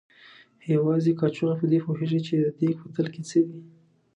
یوازې کاچوغه په دې پوهېږي چې د دیګ په تل کې څه دي.